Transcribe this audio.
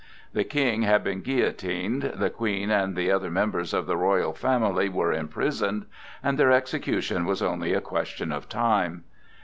The King had been guillotined, the Queen and the other members of the royal family were imprisoned, and their execution was only a question of time.